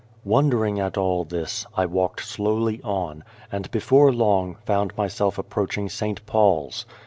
Wondering at all this, I walked slowly on, and, before long, found myself approaching St. Paul's.